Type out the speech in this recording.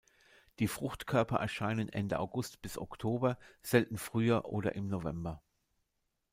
Die Fruchtkörper erscheinen Ende August bis Oktober, selten früher oder im November.